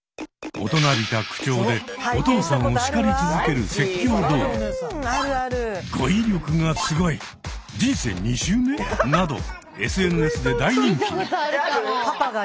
大人びた口調でお父さんをしかり続ける説教動画。などＳＮＳで大人気に。